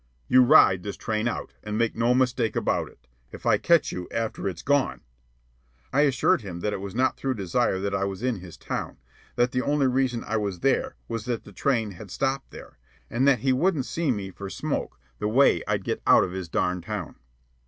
You ride this train out, and make no mistake about it. If I catch you after it's gone ..." I assured him that it was not through desire that I was in his town; that the only reason I was there was that the train had stopped there; and that he wouldn't see me for smoke the way I'd get out of his darn town.